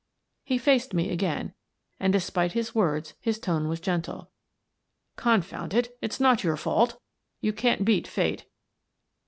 He faced me again and, despite his words, his tone was gentle. " Confound it, it's not your fault! You can't beat Fate.